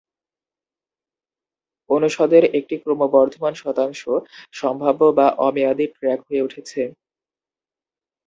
অনুষদের একটি ক্রমবর্ধমান শতাংশ "সম্ভাব্য" বা অ-মেয়াদী ট্র্যাক হয়ে উঠেছে।